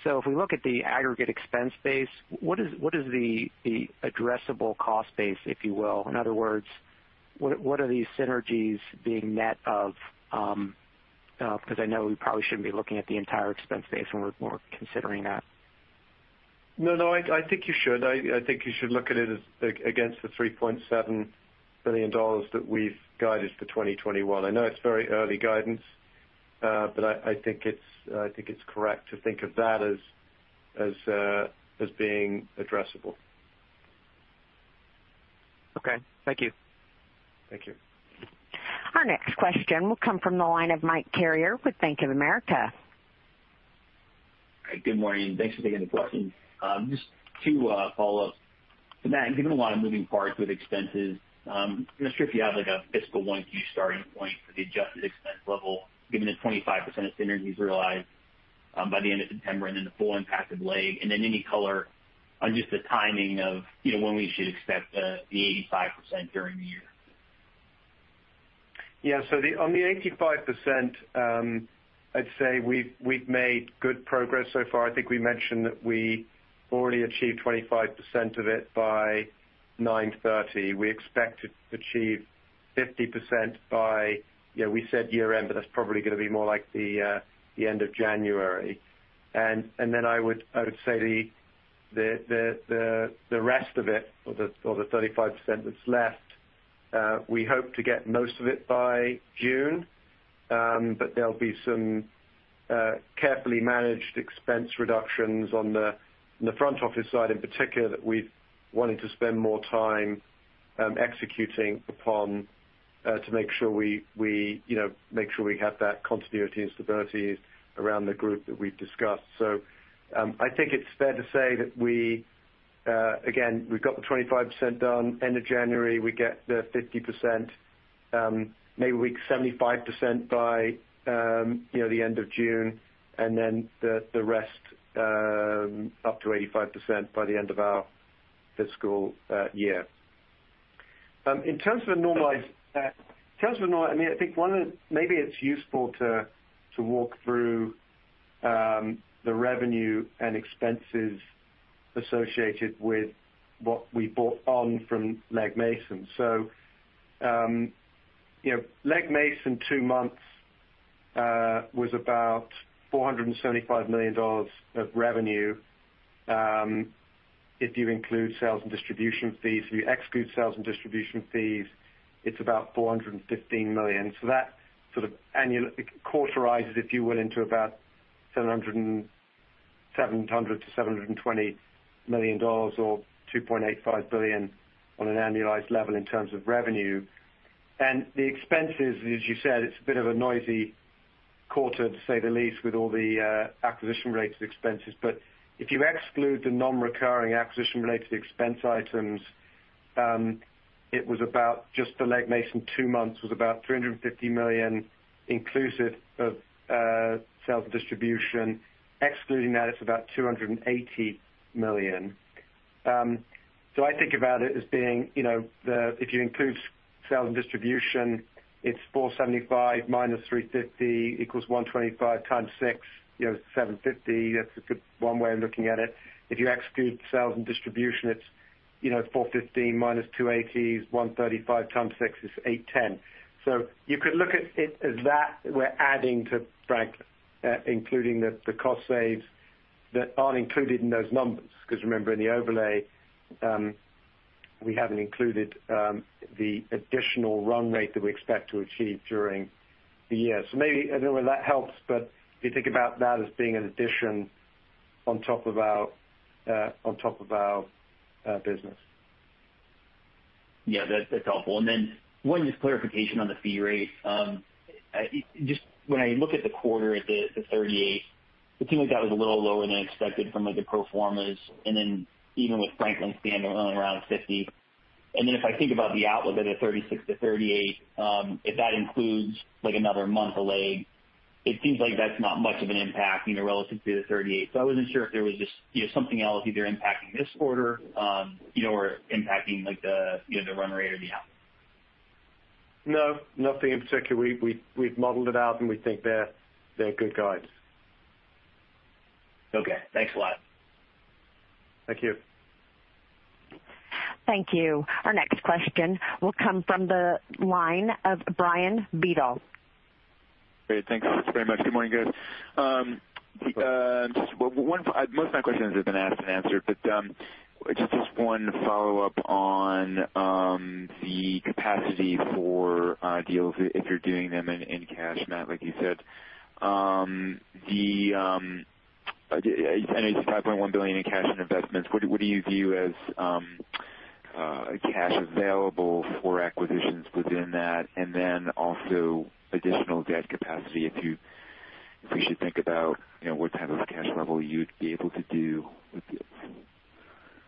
So if we look at the aggregate expense base, what is the addressable cost base, if you will? In other words, what are these synergies being net of? Because I know we probably shouldn't be looking at the entire expense base when we're considering that. No, no. I think you should. I think you should look at it against the $3.7 billion that we've guided for 2021. I know it's very early guidance, but I think it's correct to think of that as being addressable. Okay. Thank you. Thank you. Our next question will come from the line of Mike Carrier with Bank of America. Good morning. Thanks for taking the question. Just two follow-ups. Matt, given a lot of moving parts with expenses, I'm not sure if you have a fiscal 1Q starting point for the adjusted expense level given the 25% of synergies realized by the end of September and then the full impact of Legg and then any color on just the timing of when we should expect the 85% during the year. Yeah. So on the 85%, I'd say we've made good progress so far. I think we mentioned that we already achieved 25% of it by 9/30. We expect to achieve 50% by, yeah, we said year-end, but that's probably going to be more like the end of January. And then I would say the rest of it, or the 35% that's left, we hope to get most of it by June. But there'll be some carefully managed expense reductions on the front office side in particular that we've wanted to spend more time executing upon to make sure we make sure we have that continuity and stability around the group that we've discussed. So I think it's fair to say that we, again, we've got the 25% done end of January. We get the 50%. Maybe we'll 75% by the end of June. And then the rest up to 85% by the end of our fiscal year. In terms of a normalized expense, in terms of a normalized expense, I mean, I think one of the, maybe it's useful to walk through the revenue and expenses associated with what we bought from Legg Mason. So Legg Mason, two months was about $475 million of revenue if you include sales and distribution fees. If you exclude sales and distribution fees, it's about $415 million, so that sort of quarterizes, if you will, into about $700 million to $720 million or $2.85 billion on an annualized level in terms of revenue, and the expenses, as you said, it's a bit of a noisy quarter, to say the least, with all the acquisition-related expenses, but if you exclude the non-recurring acquisition-related expense items, it was about just the Legg Mason two months was about $350 million inclusive of sales and distribution. Excluding that, it's about $280 million, so I think about it as being if you include sales and distribution, it's $475 - $350= $125 x 6, you know $750. That's a good one way of looking at it. If you exclude sales and distribution, it's $415 - $280 is $135 x 6 is $810. So, you could look at it as that we're adding to Franklin, including the cost saves that aren't included in those numbers. Because remember, in the overlay, we haven't included the additional run rate that we expect to achieve during the year. So, maybe I don't know whether that helps, but you think about that as being an addition on top of our business. Yeah. That's helpful. And then, one just clarification on the fee rate. Just when I look at the quarter at the 38%, it seemed like that was a little lower than expected from the pro formas. And then even with Franklin standing around 50%. And then if I think about the outlook at the 36%-38%, if that includes another month of Legg, it seems like that's not much of an impact relative to the 38%. I wasn't sure if there was just something else either impacting this quarter or impacting the run rate or the outlook. No. Nothing in particular. We've modeled it out, and we think they're good guides. Okay. Thanks a lot. Thank you. Thank you. Our next question will come from the line of Brian Bedell. Great. Thanks very much. Good morning, guys. Most of my questions have been asked and answered. But just one follow-up on the capacity for deals if you're doing them in cash, Matt, like you said. I know you said $5.1 billion in cash and investments. What do you view as cash available for acquisitions within that? And then also additional debt capacity if you should think about what type of cash level you'd be able to do with it.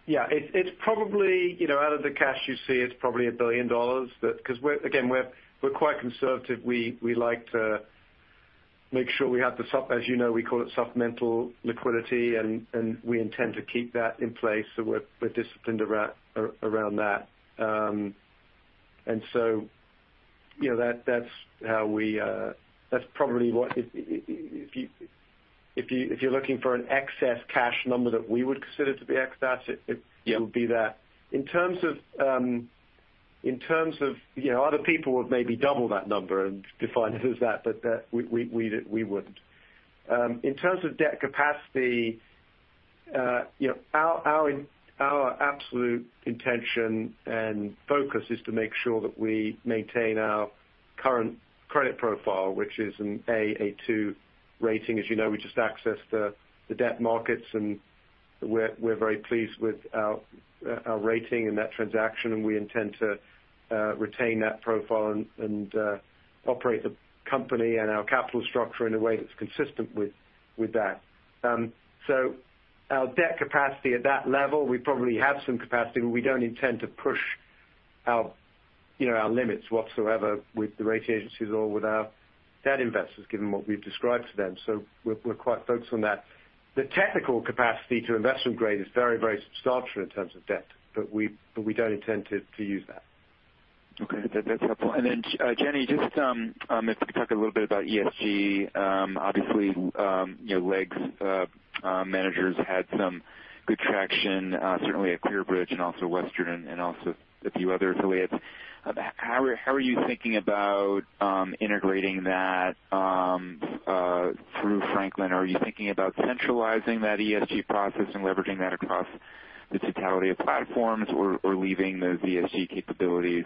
Yeah. Out of the cash you see, it's probably $1 billion. Because again, we're quite conservative. We like to make sure we have the, as you know, we call it supplemental liquidity. We intend to keep that in place. So we're disciplined around that. And so that's how we probably what, if you're looking for an excess cash number that we would consider to be excess, it would be that. In terms of other people would maybe double that number and define it as that, but we wouldn't. In terms of debt capacity, our absolute intention and focus is to make sure that we maintain our current credit profile, which is an A, A2 rating. As you know, we just accessed the debt markets, and we're very pleased with our rating and that transaction. We intend to retain that profile and operate the company and our capital structure in a way that's consistent with that. Our debt capacity at that level, we probably have some capacity, but we don't intend to push our limits whatsoever with the rating agencies or with our debt investors given what we've described to them. We're quite focused on that. The technical capacity to investment grade is very, very substantial in terms of debt, but we don't intend to use that. Okay. That's helpful. And then Jenny, just if we could talk a little bit about ESG. Obviously, Legg's managers had some good traction, certainly at ClearBridge and also Western and also a few other affiliates. How are you thinking about integrating that through Franklin? Are you thinking about centralizing that ESG process and leveraging that across the totality of platforms or leaving those ESG capabilities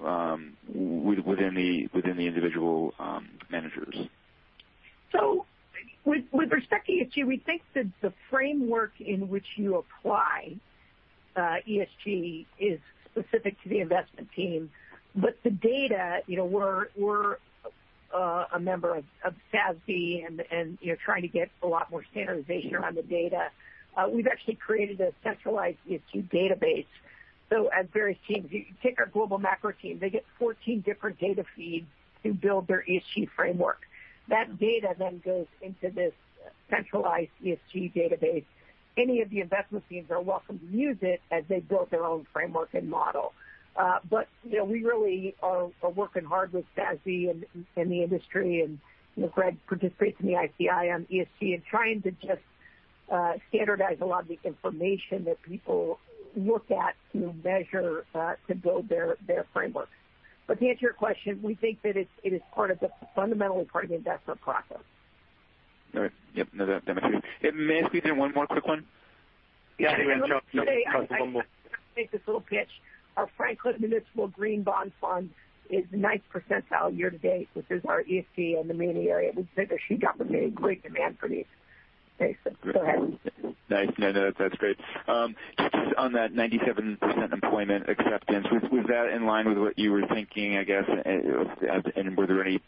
within the individual managers? With respect to ESG, we think that the framework in which you apply ESG is specific to the investment team. But the data, we're a member of SASB and trying to get a lot more standardization around the data. We've actually created a centralized ESG database. At various teams, you take our global macro team. They get 14 different data feeds to build their ESG framework. That data then goes into this centralized ESG database. Any of the investment teams are welcome to use it as they build their own framework and model. But we really are working hard with SASB and the industry. And Greg participates in the ICI on ESG and trying to just standardize a lot of the information that people look at to measure to build their framework. But to answer your question, we think that it is fundamentally part of the investment process. All right. Yep. No, that makes sense. May I squeeze in one more quick one? Yeah. I think we're in charge. [CROSSTALK] I want to make this little pitch. Our Franklin Municipal Green Bond Fund is 9th percentile year-to-date, which is our ESG in the muni area. We think that there's great demand for these. Thanks. Go ahead. Nice. No, no. That's great. Just on that 97% employment acceptance, was that in line with what you were thinking, I guess? And were there any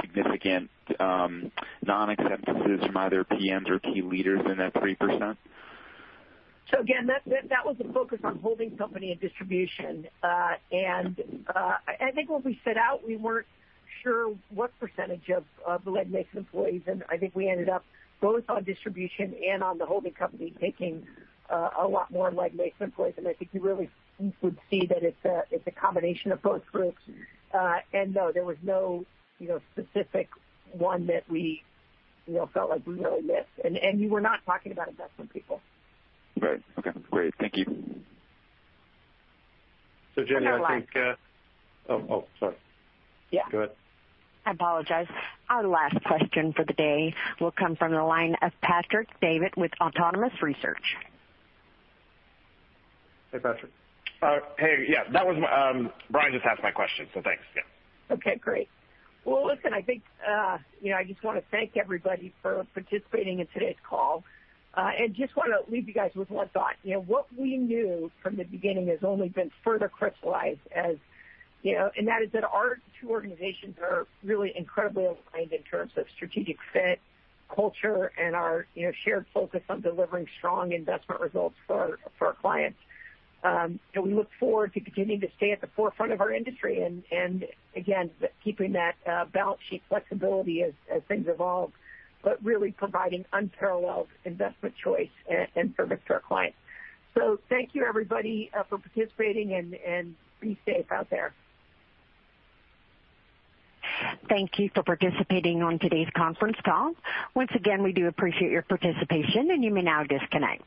significant non-acceptances from either PMs or key leaders in that 3%? So again, that was the focus on holding company and distribution. And I think when we set out, we weren't sure what percentage of Legg Mason employees. And I think we ended up both on distribution and on the holding company taking a lot more Legg Mason employees. I think you really would see that it's a combination of both groups. No, there was no specific one that we felt like we really missed. You were not talking about investment people. Right. Okay. Great. Thank you. So Jenny, I think. Oh, sorry. Yeah. Go ahead. I apologize. Our last question for the day will come from the line of Patrick Davitt with Autonomous Research. Hey, Patrick. Hey. Yeah. Brian just asked my question, so thanks. Yeah. Okay. Great. Well, listen, I think I just want to thank everybody for participating in today's call. Just want to leave you guys with one thought. What we knew from the beginning has only been further crystallized, and that is that our two organizations are really incredibly aligned in terms of strategic fit, culture, and our shared focus on delivering strong investment results for our clients. We look forward to continuing to stay at the forefront of our industry and, again, keeping that balance sheet flexibility as things evolve, but really providing unparalleled investment choice and service to our clients. So thank you, everybody, for participating, and be safe out there. Thank you for participating on today's conference call. Once again, we do appreciate your participation, and you may now disconnect.